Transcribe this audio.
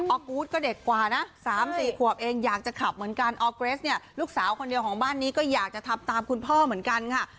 ออกูธก็เด็กกว่านะ๓๔ขวบเองอยากจะขับเหมือนกันออร์เกรสเนี่ยลูกสาวคนเดียวของบ้านนี้ก็อยากจะทำตามคุณพ่อเหมือนกันค่ะ